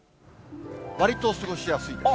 わりと過ごしやすいです。